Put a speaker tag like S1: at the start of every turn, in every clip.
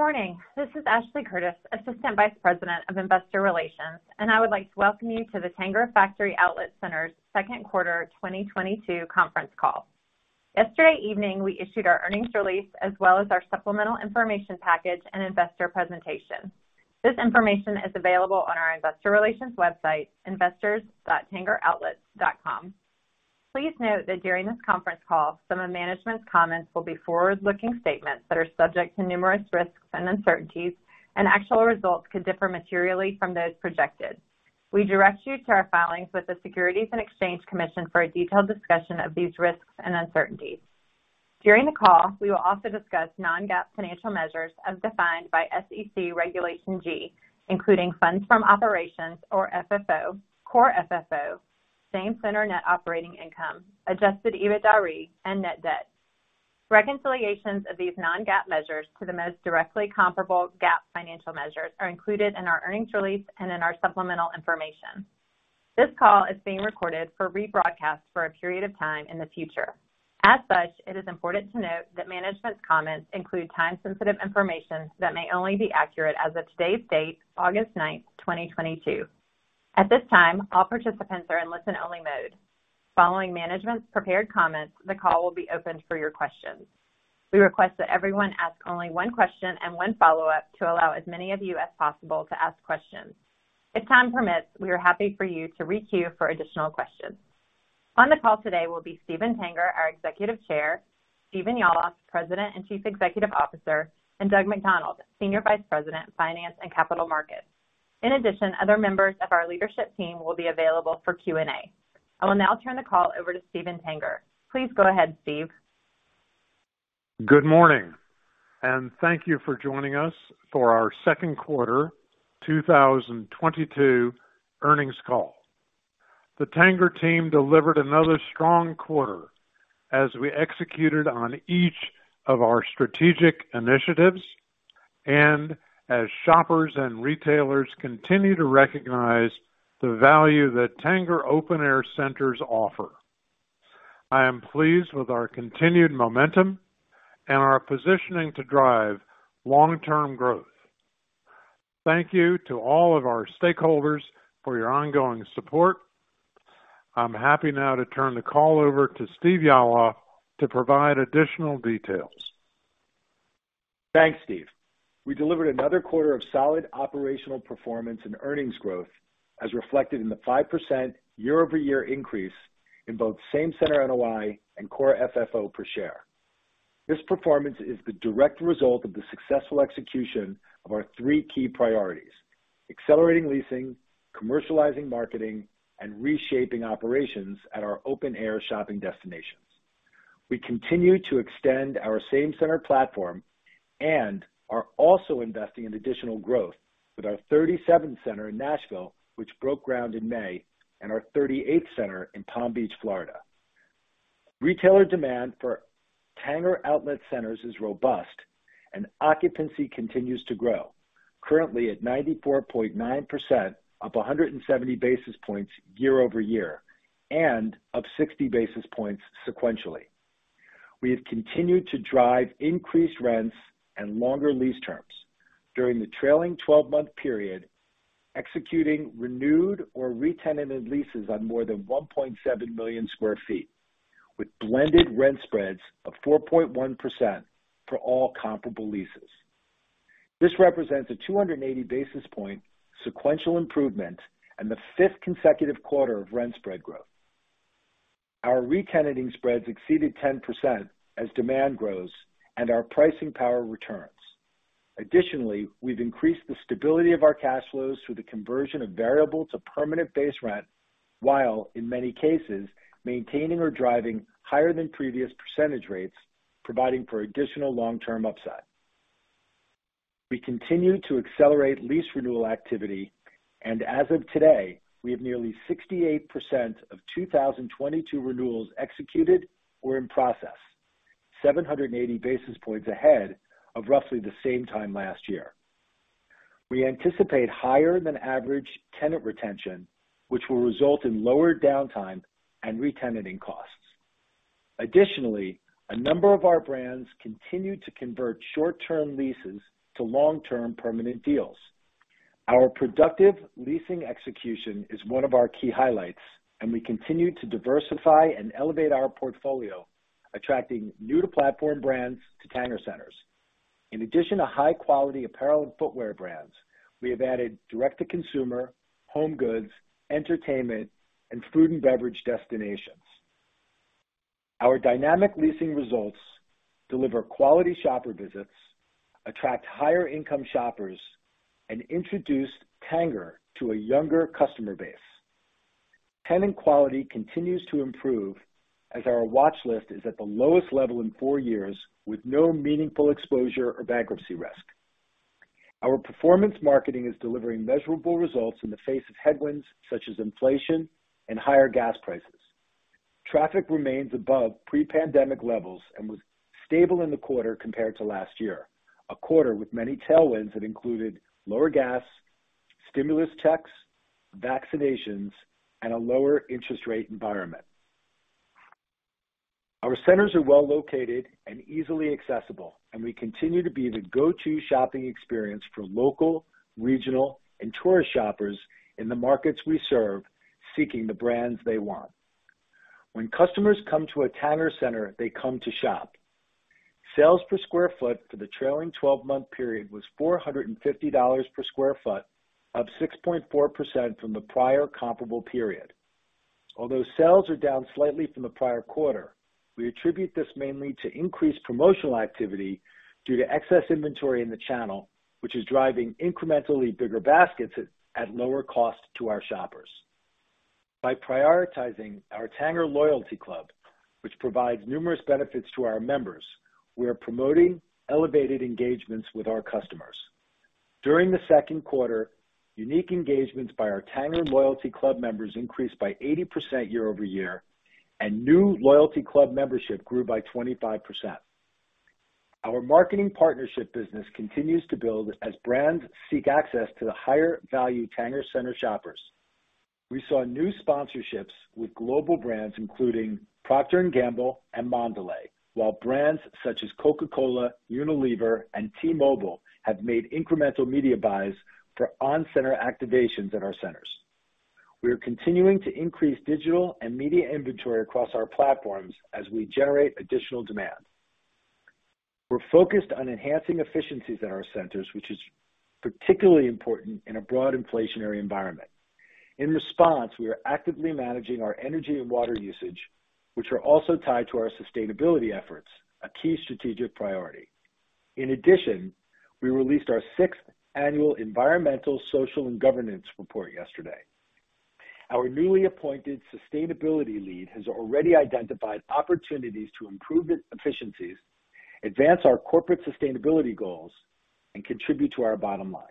S1: Good morning. This is Ashley Curtis, Assistant Vice President of Investor Relations, and I would like to welcome you to the Tanger Factory Outlet Centers' second quarter 2022 conference call. Yesterday evening, we issued our earnings release as well as our supplemental information package and investor presentation. This information is available on our investor relations website, investors.tangeroutlets.com. Please note that during this conference call, some of management's comments will be forward-looking statements that are subject to numerous risks and uncertainties, and actual results could differ materially from those projected. We direct you to our filings with the Securities and Exchange Commission for a detailed discussion of these risks and uncertainties. During the call, we will also discuss non-GAAP financial measures as defined by SEC Regulation G, including funds from operations or FFO, Core FFO, Same Center Net Operating Income, Adjusted EBITDAre, and net debt. Reconciliations of these non-GAAP measures to the most directly comparable GAAP financial measures are included in our earnings release and in our supplemental information. This call is being recorded for rebroadcast for a period of time in the future. As such, it is important to note that management's comments include time-sensitive information that may only be accurate as of today's date, August 9, 2022. At this time, all participants are in listen-only mode. Following management's prepared comments, the call will be opened for your questions. We request that everyone ask only one question and one follow-up to allow as many of you as possible to ask questions. If time permits, we are happy for you to re-queue for additional questions. On the call today will be Steven Tanger, our Executive Chair, Stephen Yalof, President and Chief Executive Officer, and Doug McDonald, Senior Vice President, Finance and Capital Markets. In addition, other members of our leadership team will be available for Q&A. I will now turn the call over to Steven Tanger. Please go ahead, Steve.
S2: Good morning, and thank you for joining us for our second quarter 2022 earnings call. The Tanger team delivered another strong quarter as we executed on each of our strategic initiatives and as shoppers and retailers continue to recognize the value that Tanger open-air centers offer. I am pleased with our continued momentum and our positioning to drive long-term growth. Thank you to all of our stakeholders for your ongoing support. I'm happy now to turn the call over to Stephen Yalof to provide additional details.
S3: Thanks, Steve. We delivered another quarter of solid operational performance and earnings growth, as reflected in the 5% year-over-year increase in both same center NOI and core FFO per share. This performance is the direct result of the successful execution of our three key priorities, accelerating leasing, commercializing marketing, and reshaping operations at our open-air shopping destinations. We continue to extend our same center platform and are also investing in additional growth with our 37th center in Nashville, which broke ground in May, and our 38th center in Palm Beach, Florida. Retailer demand for Tanger outlet centers is robust and occupancy continues to grow, currently at 94.9% up 170 basis points year-over-year and up 60 basis points sequentially. We have continued to drive increased rents and longer lease terms during the trailing twelve-month period, executing renewed or retenanted leases on more than 1.7 million sq ft, with blended rent spreads of 4.1% for all comparable leases. This represents a 280 basis point sequential improvement and the fifth consecutive quarter of rent spread growth. Our retenanting spreads exceeded 10% as demand grows and our pricing power returns. Additionally, we've increased the stability of our cash flows through the conversion of variable to permanent base rent, while in many cases, maintaining or driving higher than previous percentage rates, providing for additional long-term upside. We continue to accelerate lease renewal activity, and as of today, we have nearly 68% of 2022 renewals executed or in process, 780 basis points ahead of roughly the same time last year. We anticipate higher than average tenant retention, which will result in lower downtime and retenanting costs. Additionally, a number of our brands continue to convert short-term leases to long-term permanent deals. Our productive leasing execution is one of our key highlights, and we continue to diversify and elevate our portfolio, attracting new to platform brands to Tanger centers. In addition to high-quality apparel and footwear brands, we have added direct-to-consumer, home goods, entertainment, and food and beverage destinations. Our dynamic leasing results deliver quality shopper visits, attract higher income shoppers, and introduce Tanger to a younger customer base. Tenant quality continues to improve as our watch list is at the lowest level in four years with no meaningful exposure or bankruptcy risk. Our performance marketing is delivering measurable results in the face of headwinds such as inflation and higher gas prices. Traffic remains above pre-pandemic levels and was stable in the quarter compared to last year, a quarter with many tailwinds that included lower gas, stimulus checks, vaccinations, and a lower interest rate environment. Our centers are well located and easily accessible, and we continue to be the go-to shopping experience for local, regional, and tourist shoppers in the markets we serve, seeking the brands they want. When customers come to a Tanger center, they come to shop. Sales per sq ft for the trailing 12-month period was $450 per sq ft, up 6.4% from the prior comparable period. Although sales are down slightly from the prior quarter, we attribute this mainly to increased promotional activity due to excess inventory in the channel, which is driving incrementally bigger baskets at lower cost to our shoppers. By prioritizing our Tanger Loyalty Club, which provides numerous benefits to our members, we are promoting elevated engagements with our customers. During the second quarter, unique engagements by our Tanger Loyalty Club members increased by 80% year-over-year, and new loyalty club membership grew by 25%. Our marketing partnership business continues to build as brands seek access to the higher value Tanger Center shoppers. We saw new sponsorships with global brands including Procter & Gamble and Mondelēz, while brands such as Coca-Cola, Unilever, and T-Mobile have made incremental media buys for on-center activations at our centers. We are continuing to increase digital and media inventory across our platforms as we generate additional demand. We're focused on enhancing efficiencies at our centers, which is particularly important in a broad inflationary environment. In response, we are actively managing our energy and water usage, which are also tied to our sustainability efforts, a key strategic priority. In addition, we released our sixth annual environmental, social, and governance report yesterday. Our newly appointed sustainability lead has already identified opportunities to improve efficiencies, advance our corporate sustainability goals, and contribute to our bottom line.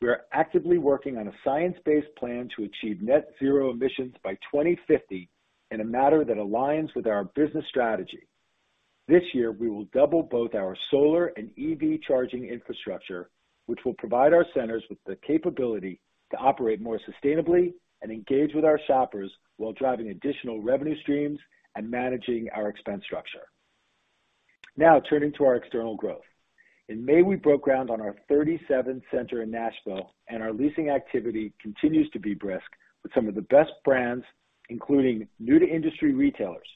S3: We are actively working on a science-based plan to achieve net zero emissions by 2050 in a manner that aligns with our business strategy. This year, we will double both our solar and EV charging infrastructure, which will provide our centers with the capability to operate more sustainably and engage with our shoppers while driving additional revenue streams and managing our expense structure. Now turning to our external growth. In May, we broke ground on our 37th center in Nashville, and our leasing activity continues to be brisk with some of the best brands, including new-to-industry retailers.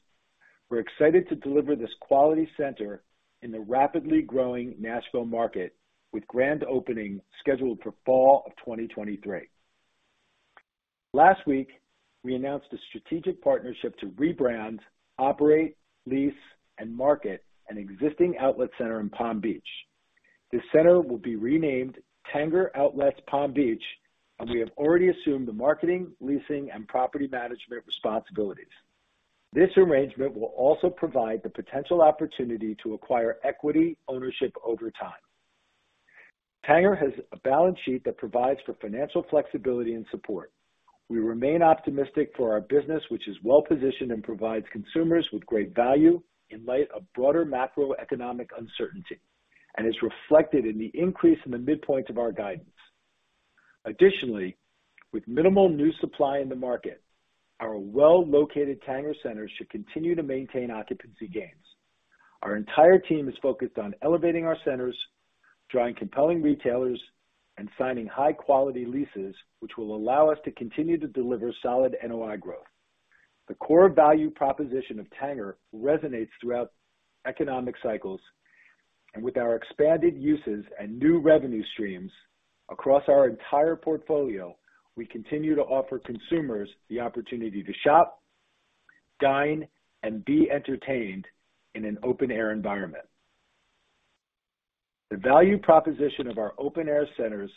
S3: We're excited to deliver this quality center in the rapidly growing Nashville market, with grand opening scheduled for fall of 2023. Last week, we announced a strategic partnership to rebrand, operate, lease, and market an existing outlet center in Palm Beach. This center will be renamed Tanger Outlets Palm Beach, and we have already assumed the marketing, leasing, and property management responsibilities. This arrangement will also provide the potential opportunity to acquire equity ownership over time. Tanger has a balance sheet that provides for financial flexibility and support. We remain optimistic for our business, which is well-positioned and provides consumers with great value in light of broader macroeconomic uncertainty, and is reflected in the increase in the midpoint of our guidance. Additionally, with minimal new supply in the market, our well-located Tanger centers should continue to maintain occupancy gains. Our entire team is focused on elevating our centers, drawing compelling retailers, and signing high-quality leases, which will allow us to continue to deliver solid NOI growth. The core value proposition of Tanger resonates throughout economic cycles, and with our expanded uses and new revenue streams across our entire portfolio, we continue to offer consumers the opportunity to shop, dine, and be entertained in an open air environment. The value proposition of our open air centers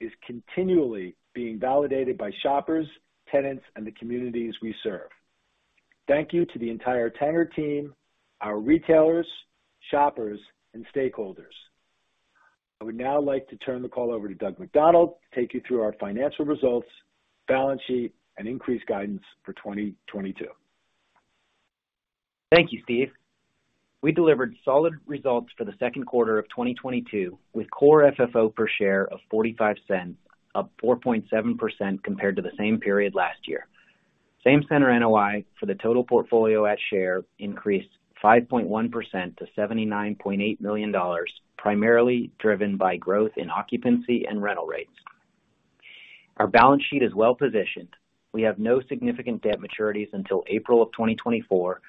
S3: is continually being validated by shoppers, tenants, and the communities we serve. Thank you to the entire Tanger team, our retailers, shoppers, and stakeholders. I would now like to turn the call over to Doug McDonald to take you through our financial results, balance sheet, and increased guidance for 2022.
S4: Thank you, Steve. We delivered solid results for the second quarter of 2022, with core FFO per share of $0.45, up 4.7% compared to the same period last year. Same center NOI for the total portfolio at share increased 5.1% to $79.8 million, primarily driven by growth in occupancy and rental rates. Our balance sheet is well positioned. We have no significant debt maturities until April 2024,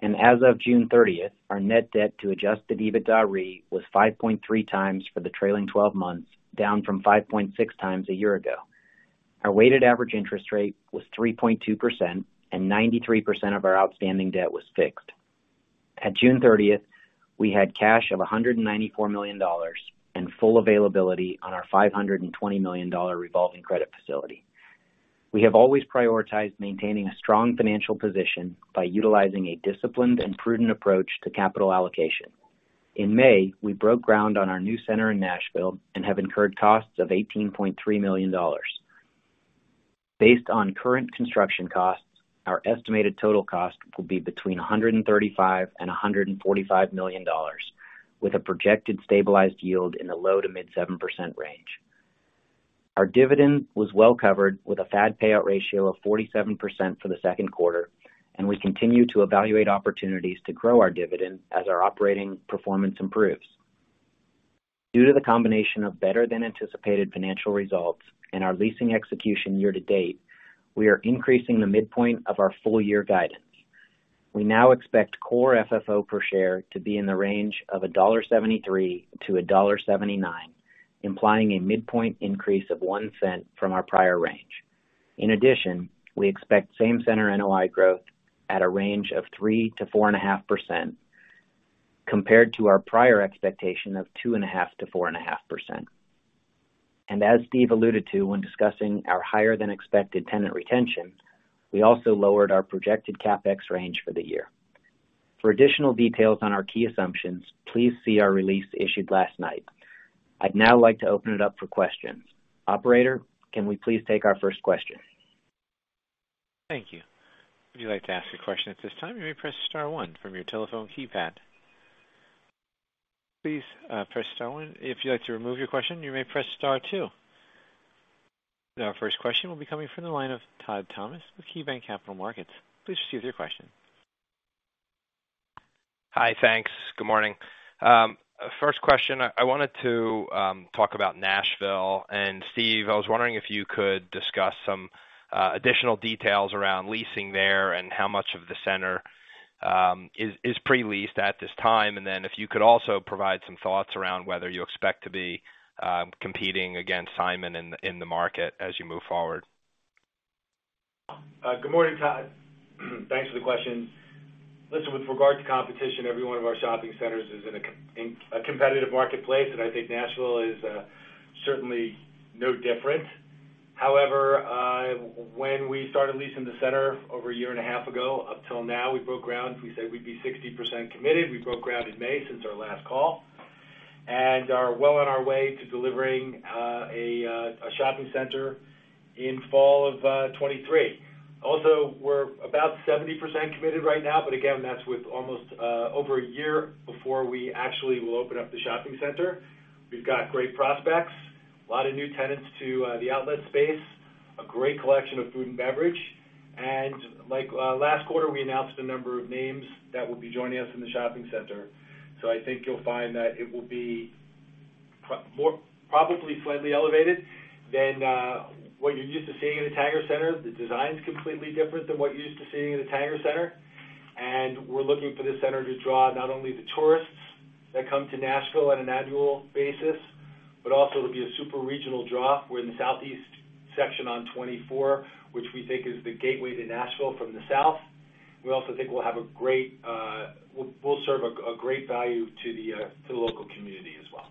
S4: and as of June 30, our net debt to adjusted EBITDAre was 5.3x for the trailing twelve months, down from 5.6x a year ago. Our weighted average interest rate was 3.2%, and 93% of our outstanding debt was fixed. At June 30th, we had cash of $194 million and full availability on our $520 million revolving credit facility. We have always prioritized maintaining a strong financial position by utilizing a disciplined and prudent approach to capital allocation. In May, we broke ground on our new center in Nashville and have incurred costs of $18.3 million. Based on current construction costs, our estimated total cost will be between $135 million and $145 million, with a projected stabilized yield in the low- to mid-7% range. Our dividend was well covered with a FAD payout ratio of 47% for the second quarter, and we continue to evaluate opportunities to grow our dividend as our operating performance improves. Due to the combination of better than anticipated financial results and our leasing execution year to date, we are increasing the midpoint of our full year guidance. We now expect core FFO per share to be in the range of $1.73-$1.79, implying a midpoint increase of $0.01 from our prior range. In addition, we expect same center NOI growth at a range of 3%-4.5% compared to our prior expectation of 2.5%-4.5%. As Steve alluded to when discussing our higher than expected tenant retention, we also lowered our projected CapEx range for the year. For additional details on our key assumptions, please see our release issued last night. I'd now like to open it up for questions. Operator, can we please take our first question?
S5: Thank you. If you'd like to ask a question at this time, you may press star one from your telephone keypad. Please, press star one. If you'd like to remove your question, you may press star two. Our first question will be coming from the line of Todd Thomas with KeyBanc Capital Markets. Please proceed with your question.
S6: Hi, thanks. Good morning. First question, I wanted to talk about Nashville. Steve, I was wondering if you could discuss some additional details around leasing there and how much of the center is pre-leased at this time, and then if you could also provide some thoughts around whether you expect to be competing against Simon in the market as you move forward.
S3: Good morning, Todd. Thanks for the question. Listen, with regard to competition, every one of our shopping centers is in a competitive marketplace, and I think Nashville is certainly no different. However, when we started leasing the center over a year and a half ago, up till now, we broke ground. We said we'd be 60% committed. We broke ground in May since our last call, and are well on our way to delivering a shopping center in fall of 2023. Also, we're about 70% committed right now, but again, that's with almost over a year before we actually will open up the shopping center. We've got great prospects, a lot of new tenants to the outlet space, a great collection of food and beverage. Like last quarter, we announced a number of names that will be joining us in the shopping center. I think you'll find that it will be probably slightly elevated than what you're used to seeing in a Tanger Center. The design's completely different than what you're used to seeing in a Tanger Center. We're looking for this center to draw not only the tourists that come to Nashville on an annual basis, but also to be a super regional draw. We're in the southeast section on 24, which we think is the gateway to Nashville from the south. We also think we'll serve a great value to the local community as well.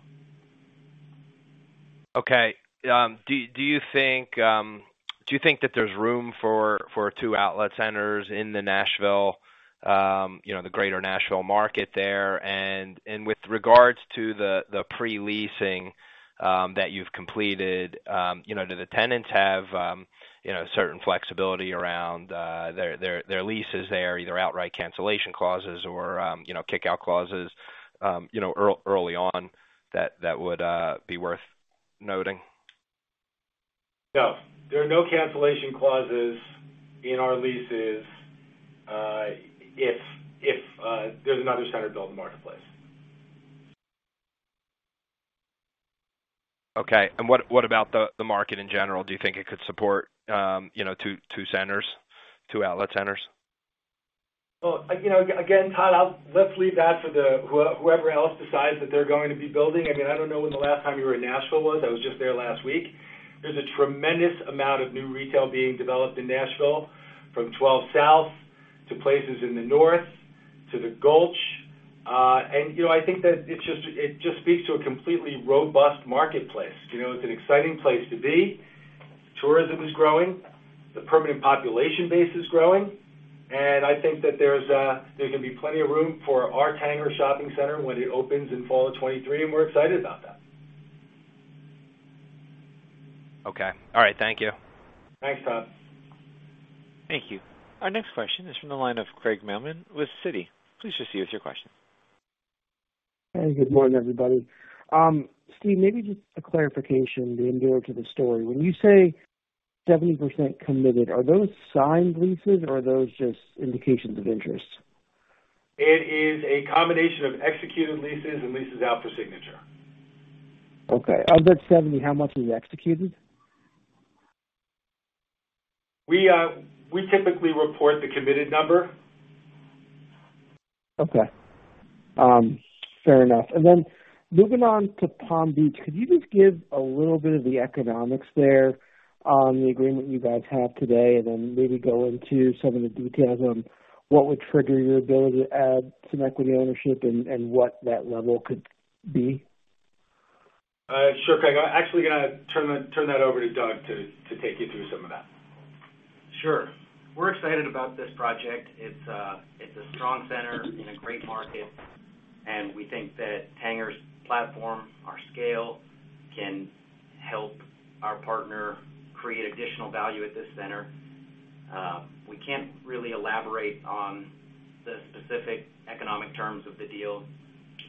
S6: Okay. Do you think that there's room for two outlet centers in the Nashville, you know, the Greater Nashville market there? With regards to the pre-leasing that you've completed, you know, do the tenants have, you know, certain flexibility around their leases there, either outright cancellation clauses or, you know, kick-out clauses, you know, early on that would be worth noting?
S3: No. There are no cancellation clauses in our leases, if there's another center built in the marketplace.
S6: Okay. What about the market in general? Do you think it could support, you know, two centers, two outlet centers?
S3: Well, you know, again, Todd, let's leave that for whoever else decides that they're going to be building. I mean, I don't know when the last time you were in Nashville was. I was just there last week. There's a tremendous amount of new retail being developed in Nashville, from Twelve South to places in the north to The Gulch. You know, I think that it just speaks to a completely robust marketplace. You know, it's an exciting place to be. Tourism is growing. The permanent population base is growing. I think that there can be plenty of room for our Tanger shopping center when it opens in fall of 2023, and we're excited about that.
S6: Okay. All right. Thank you.
S3: Thanks, Todd.
S5: Thank you. Our next question is from the line of Craig Mailman with Citi. Please proceed with your question.
S7: Hey, good morning, everybody. Steve, maybe just a clarification to ensure the story. When you say 70% committed, are those signed leases or are those just indications of interest?
S3: It is a combination of executed leases and leases out for signature.
S7: Okay. Of that 70, how much is executed?
S3: We typically report the committed number.
S7: Okay. Fair enough. Moving on to Palm Beach, could you just give a little bit of the economics there on the agreement you guys have today, and then maybe go into some of the details on what would trigger your ability to add some equity ownership and what that level could be?
S3: Sure, Craig. I'm actually gonna turn that over to Doug to take you through some of that.
S4: Sure. We're excited about this project. It's a strong center in a great market, and we think that Tanger's platform, our scale, can help our partner. Additional value at this center. We can't really elaborate on the specific economic terms of the deal,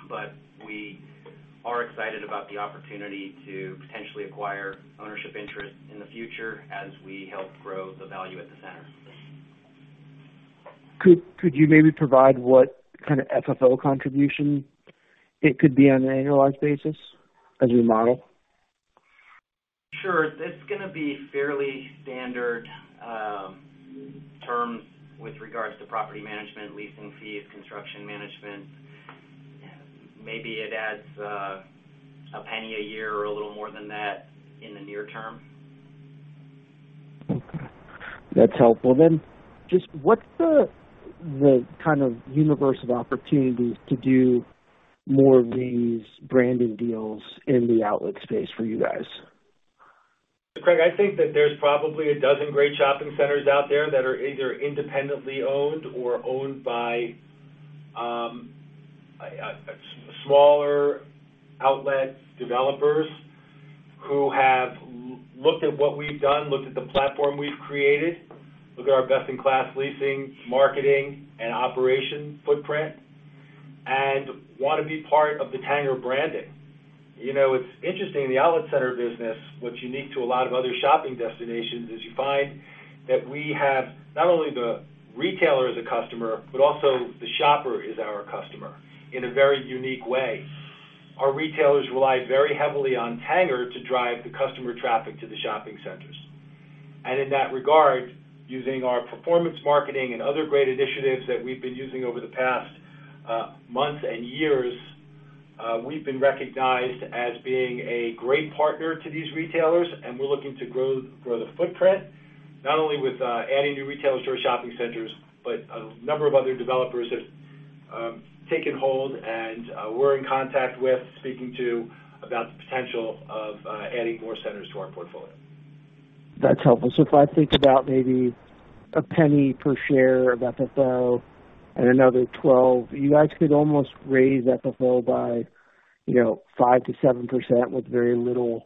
S4: but we are excited about the opportunity to potentially acquire ownership interest in the future as we help grow the value at the center.
S7: Could you maybe provide what kind of FFO contribution it could be on an annualized basis as you model?
S4: Sure. It's gonna be fairly standard, terms with regards to property management, leasing fees, construction management. Maybe it adds, a penny a year or a little more than that in the near term.
S7: Okay. That's helpful. Just what's the kind of universe of opportunities to do more of these branding deals in the outlet space for you guys?
S4: Craig, I think that there's probably a dozen great shopping centers out there that are either independently owned or owned by a smaller outlet developers who have looked at what we've done, looked at the platform we've created, looked at our best in class leasing, marketing, and operation footprint, and want to be part of the Tanger branding. You know, it's interesting, the outlet center business, what's unique to a lot of other shopping destinations is you find that we have not only the retailer as a customer, but also the shopper is our customer in a very unique way. Our retailers rely very heavily on Tanger to drive the customer traffic to the shopping centers. In that regard, using our performance marketing and other great initiatives that we've been using over the past months and years, we've been recognized as being a great partner to these retailers, and we're looking to grow the footprint, not only with adding new retailers to our shopping centers, but a number of other developers have taken hold and we're in contact with speaking to about the potential of adding more centers to our portfolio.
S7: That's helpful. If I think about maybe $0.01 per share of FFO and another $0.12, you guys could almost raise FFO by, you know, 5%-7% with very little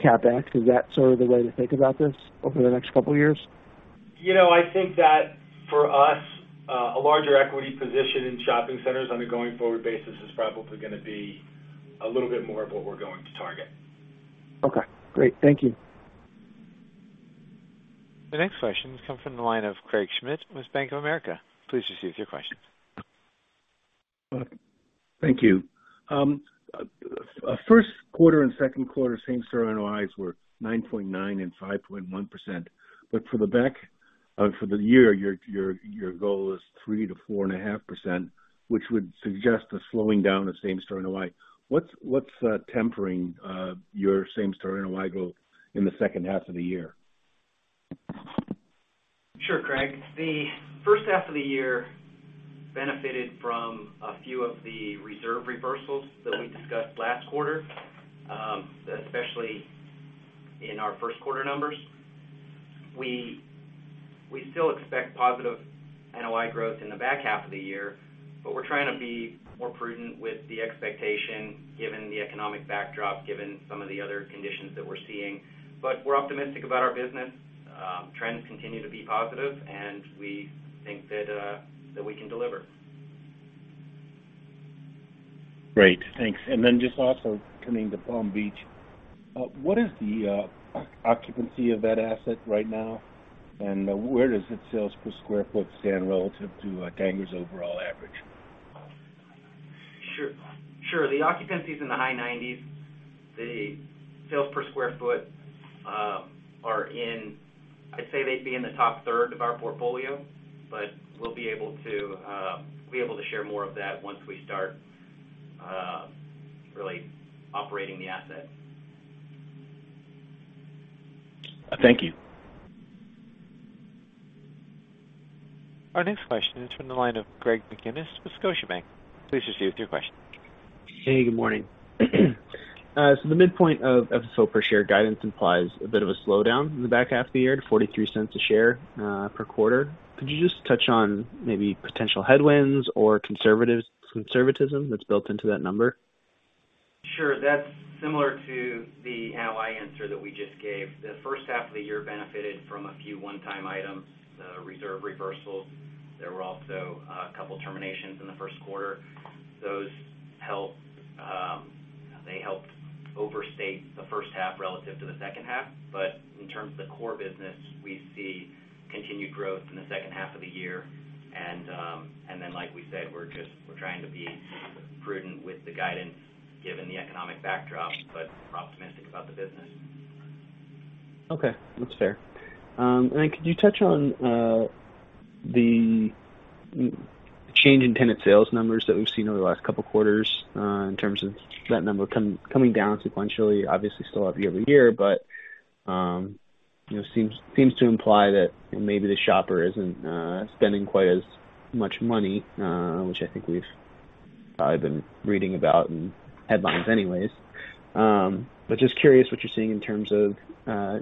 S7: CapEx. Is that sort of the way to think about this over the next couple of years?
S4: You know, I think that for us, a larger equity position in shopping centers on a going forward basis is probably gonna be a little bit more of what we're going to target.
S7: Okay, great. Thank you.
S5: The next question has come from the line of Craig Schmidt with Bank of America. Please proceed with your question.
S8: Thank you. First quarter and second quarter same-store NOIs were 9.9% and 5.1%. For the year, your goal is 3%-4.5%, which would suggest a slowing down of same-store NOI. What's tempering your same-store NOI growth in the second half of the year?
S4: Sure, Craig. The first half of the year benefited from a few of the reserve reversals that we discussed last quarter, especially in our first quarter numbers. We still expect positive NOI growth in the back half of the year, but we're trying to be more prudent with the expectation given the economic backdrop, given some of the other conditions that we're seeing. We're optimistic about our business. Trends continue to be positive, and we think that we can deliver.
S8: Great. Thanks. Just also coming to Palm Beach, what is the occupancy of that asset right now, and where does its sales per square foot stand relative to Tanger's overall average?
S4: Sure. The occupancy is in the high 90s. The sales per sq ft are in, I'd say they'd be in the top third of our portfolio, but we'll be able to share more of that once we start really operating the asset.
S8: Thank you.
S5: Our next question is from the line of Greg McGinniss with Scotiabank. Please proceed with your question.
S9: Hey, good morning. The midpoint of FFO per share guidance implies a bit of a slowdown in the back half of the year to $0.43 per share per quarter. Could you just touch on maybe potential headwinds or conservatism that's built into that number?
S4: Sure. That's similar to the NOI answer that we just gave. The first half of the year benefited from a few one-time items, reserve reversals. There were also a couple terminations in the first quarter. Those helped, they helped overstate the first half relative to the second half. In terms of the core business, we see continued growth in the second half of the year, and then, like we said, we're trying to be prudent with the guidance given the economic backdrop, but we're optimistic about the business.
S9: Okay. That's fair. Could you touch on the change in tenant sales numbers that we've seen over the last couple quarters, in terms of that number coming down sequentially, obviously still up year-over-year, but you know seems to imply that maybe the shopper isn't spending quite as much money, which I think we've probably been reading about in headlines anyways. Just curious what you're seeing in terms of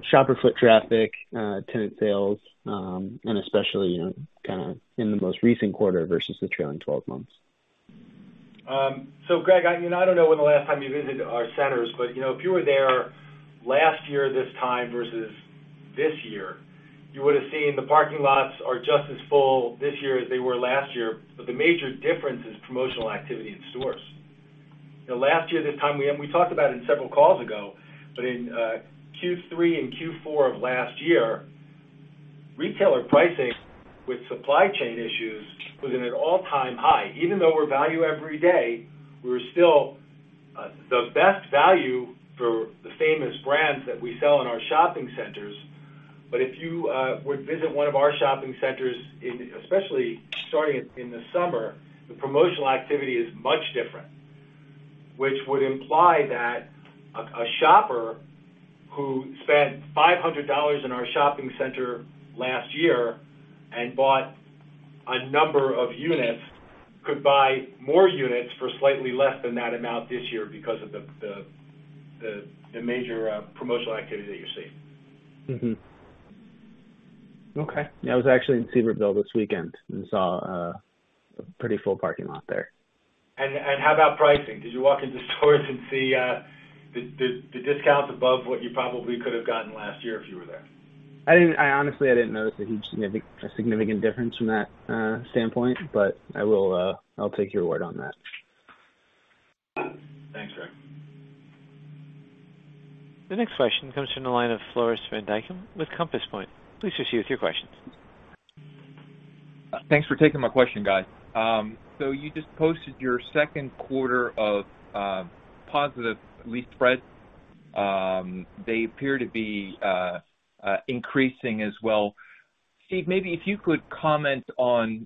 S9: shopper foot traffic, tenant sales, and especially you know kinda in the most recent quarter versus the trailing twelve months.
S3: Greg, you know, I don't know when the last time you visited our centers, but you know, if you were there last year this time versus this year, you would have seen the parking lots are just as full this year as they were last year. The major difference is promotional activity in stores. You know, last year, this time, we talked about it several calls ago, but in Q3 and Q4 of last year, retailer pricing with supply chain issues was at an all-time high. Even though we're value every day, we're still the best value for the famous brands that we sell in our shopping centers. If you would visit one of our shopping centers, especially starting in the summer, the promotional activity is much different, which would imply that a shopper who spent $500 in our shopping center last year and bought a number of units could buy more units for slightly less than that amount this year because of the major promotional activity that you're seeing.
S10: Okay. Yeah, I was actually in Sevierville this weekend and saw a pretty full parking lot there.
S3: How about pricing? Did you walk into stores and see the discounts above what you probably could have gotten last year if you were there?
S10: I honestly didn't notice a huge significant difference from that standpoint, but I will. I'll take your word on that.
S3: Thanks, Greg.
S5: The next question comes from the line of Floris van Dijkum with Compass Point. Please proceed with your questions.
S11: Thanks for taking my question, guys. So you just posted your second quarter of positive lease spread. They appear to be increasing as well. Steve, maybe if you could comment on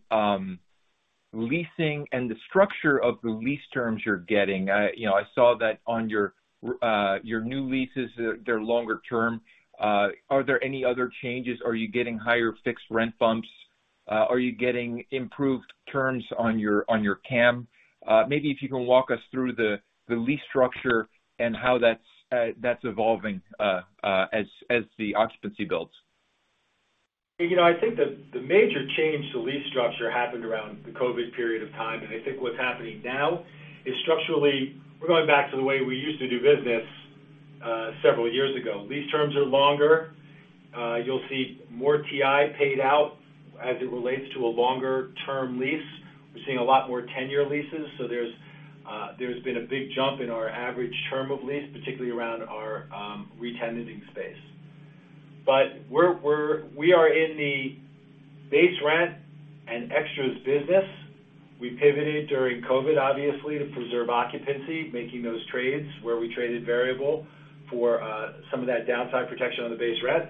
S11: leasing and the structure of the lease terms you're getting. You know, I saw that on your new leases, they're longer term. Are there any other changes? Are you getting higher fixed rent bumps? Are you getting improved terms on your CAM? Maybe if you can walk us through the lease structure and how that's evolving as the occupancy builds.
S3: You know, I think the major change to lease structure happened around the COVID period of time. I think what's happening now is structurally, we're going back to the way we used to do business several years ago. Lease terms are longer. You'll see more TI paid out as it relates to a longer term lease. We're seeing a lot more tenure leases, so there's been a big jump in our average term of lease, particularly around our re-tenanting space. We're in the base rent and extras business. We pivoted during COVID, obviously, to preserve occupancy, making those trades where we traded variable for some of that downside protection on the base rent.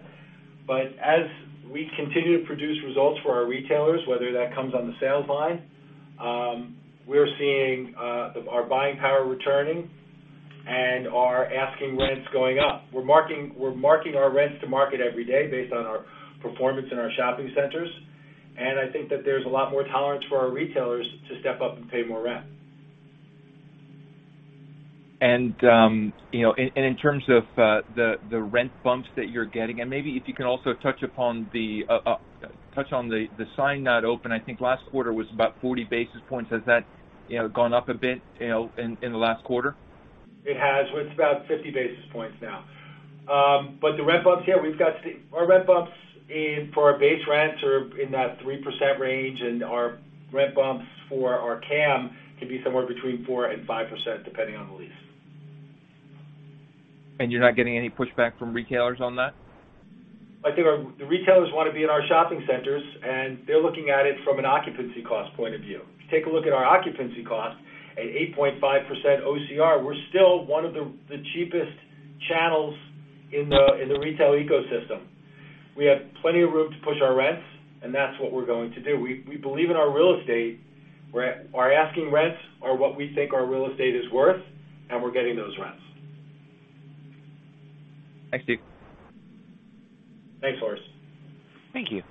S3: As we continue to produce results for our retailers, whether that comes on the sales line, we're seeing our buying power returning and our asking rents going up. We're marking our rents to market every day based on our performance in our shopping centers, and I think that there's a lot more tolerance for our retailers to step up and pay more rent.
S11: In terms of the rent bumps that you're getting, and maybe if you can also touch on the signed not open. I think last quarter was about 40 basis points. Has that, you know, gone up a bit, you know, in the last quarter?
S3: It has. It's about 50 basis points now. The rent bumps for our base rents are in that 3% range, and our rent bumps for our CAM could be somewhere between 4% and 5%, depending on the lease.
S11: You're not getting any pushback from retailers on that?
S3: I think the retailers wanna be in our shopping centers, and they're looking at it from an occupancy cost point of view. If you take a look at our occupancy cost at 8.5% OCR, we're still one of the cheapest channels in the retail ecosystem. We have plenty of room to push our rents, and that's what we're going to do. We believe in our real estate. Our asking rents are what we think our real estate is worth, and we're getting those rents.
S11: Thanks, Steve.
S3: Thanks, Floris.
S5: Thank you.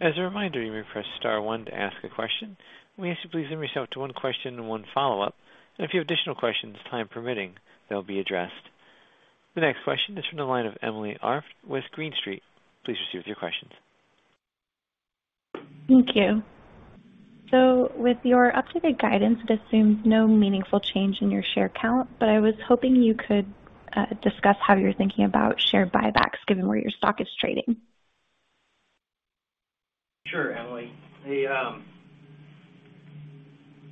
S5: As a reminder, you may press star one to ask a question. We ask you to please limit yourself to one question and one follow-up. If you have additional questions, time permitting, they'll be addressed. The next question is from the line of Emily Arft with Green Street. Please proceed with your questions.
S12: Thank you. With your updated guidance, it assumes no meaningful change in your share count. I was hoping you could discuss how you're thinking about share buybacks given where your stock is trading.
S3: Sure, Emily.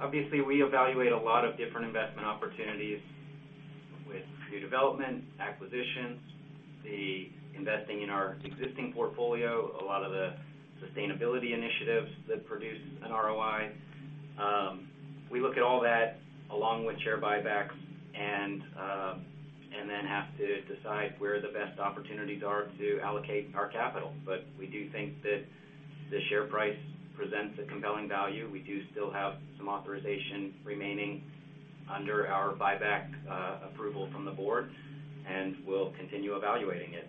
S3: Obviously, we evaluate a lot of different investment opportunities with new development, acquisitions, the investing in our existing portfolio, a lot of the sustainability initiatives that produce an ROI. We look at all that along with share buybacks and then have to decide where the best opportunities are to allocate our capital. We do think that the share price presents a compelling value. We do still have some authorization remaining under our buyback approval from the board, and we'll continue evaluating it.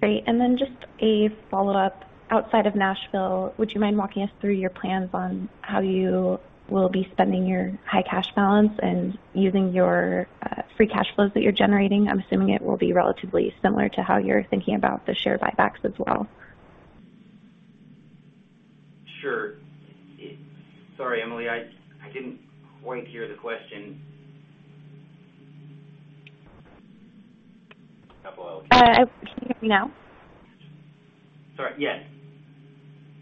S12: Great. Just a follow-up. Outside of Nashville, would you mind walking us through your plans on how you will be spending your high cash balance and using your free cash flows that you're generating? I'm assuming it will be relatively similar to how you're thinking about the share buybacks as well.
S3: Sure. Sorry, Emily, I didn't quite hear the question.
S12: Can you hear me now?
S3: Sorry, yes.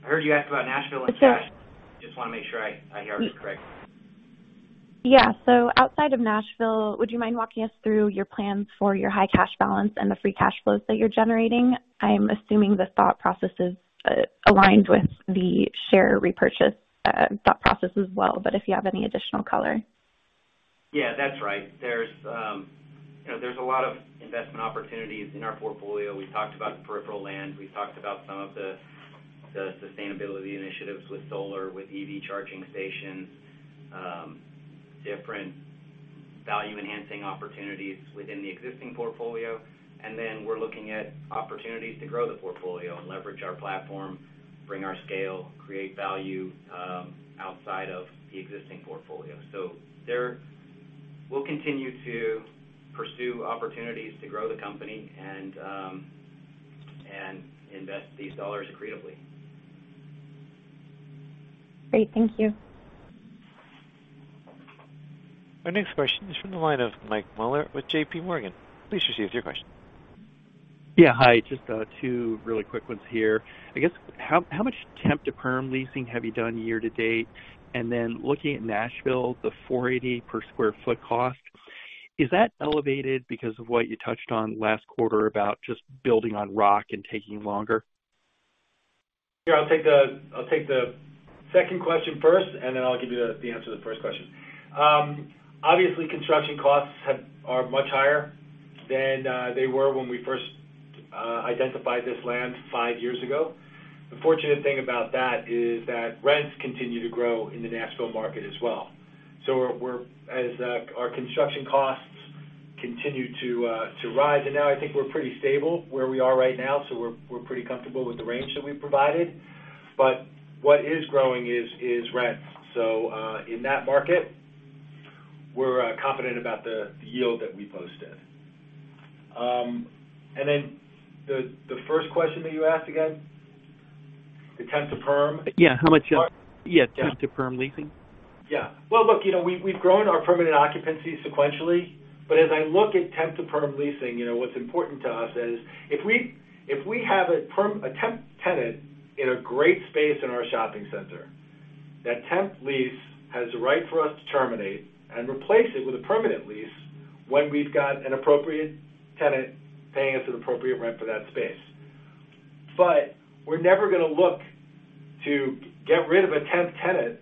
S3: I heard you ask about Nashville and cash.
S12: Yes, sir.
S3: Just wanna make sure I hear this correct.
S12: Yeah. Outside of Nashville, would you mind walking us through your plans for your high cash balance and the free cash flows that you're generating? I'm assuming the thought process is aligned with the share repurchase thought process as well, but if you have any additional color.
S3: Yeah, that's right. There's, you know, there's a lot of investment opportunities in our portfolio. We talked about peripheral land. We talked about some of the sustainability initiatives with solar, with EV charging stations, different value-enhancing opportunities within the existing portfolio. Then we're looking at opportunities to grow the portfolio and leverage our platform, bring our scale, create value, outside of the existing portfolio. We'll continue to pursue opportunities to grow the company and invest these dollars creatively.
S12: Great. Thank you.
S5: Our next question is from the line of Michael Mueller with JPMorgan. Please proceed with your question.
S13: Yeah, hi. Just, two really quick ones here. I guess how much temp to perm leasing have you done year to date? Looking at Nashville, the $480 per sq ft cost, is that elevated because of what you touched on last quarter about just building on rock and taking longer?
S3: Yeah, I'll take the second question first, and then I'll give you the answer to the first question. Obviously, construction costs are much higher than they were when we first identified this land five years ago. The fortunate thing about that is that rents continue to grow in the Nashville market as well. We're as our construction costs continue to rise, and now I think we're pretty stable where we are right now, so we're pretty comfortable with the range that we've provided. What is growing is rent. In that market, we're confident about the yield that we posted. Then the first question that you asked again, the temp to perm?
S13: Yeah. How much of
S3: What?
S13: Yeah. Temp to perm leasing.
S3: Yeah. Well, look, you know, we've grown our permanent occupancy sequentially, but as I look at temp to perm leasing, you know, what's important to us is if we have a temp tenant in a great space in our shopping center, that temp lease has the right for us to terminate and replace it with a permanent lease when we've got an appropriate tenant paying us an appropriate rent for that space. But we're never gonna look to get rid of a temp tenant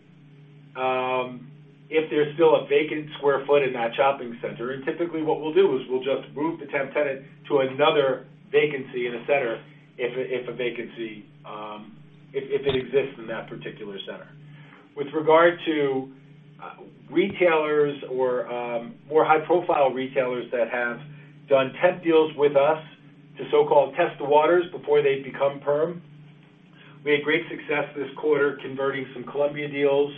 S3: if there's still a vacant square foot in that shopping center. Typically, what we'll do is we'll just move the temp tenant to another vacancy in a center if a vacancy exists in that particular center. With regard to retailers or more high-profile retailers that have done temp deals with us to so-called test the waters before they become perm, we had great success this quarter converting some Columbia deals,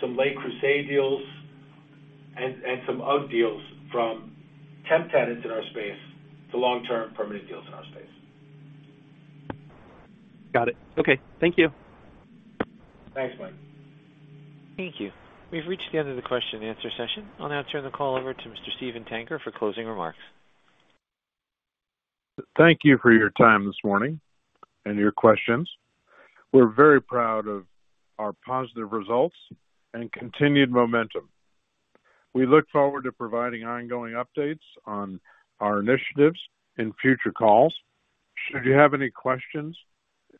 S3: some Le Creuset deals, and some UGG deals from temp tenants in our space to long-term permanent deals in our space.
S13: Got it. Okay. Thank you.
S3: Thanks, Mike.
S5: Thank you. We've reached the end of the question and answer session. I'll now turn the call over to Mr. Steven Tanger for closing remarks.
S2: Thank you for your time this morning and your questions. We're very proud of our positive results and continued momentum. We look forward to providing ongoing updates on our initiatives in future calls. Should you have any questions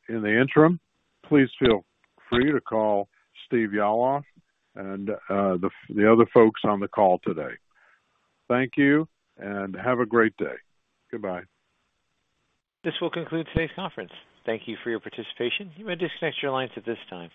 S2: in the interim, please feel free to call Steven Yalof and the other folks on the call today. Thank you, and have a great day. Goodbye.
S5: This will conclude today's conference. Thank you for your participation. You may disconnect your lines at this time.